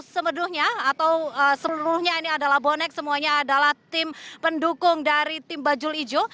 semeduhnya atau seluruhnya ini adalah bonek semuanya adalah tim pendukung dari tim bajul ijo